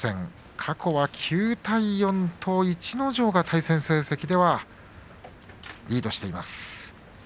過去は９対４と逸ノ城が対戦成績ではリードしています。